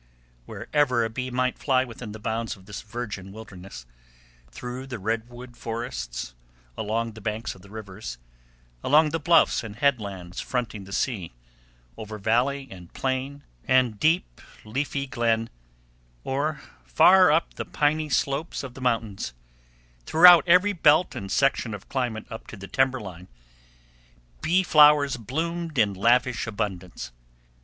Wherever a bee might fly within the bounds of this virgin wilderness—through the redwood forests, along the banks of the rivers, along the bluffs and headlands fronting the sea, over valley and plain, park and grove, and deep, leafy glen, or far up the piny slopes of the mountains—throughout every belt and section of climate up to the timber line, bee flowers bloomed in lavish, abundance.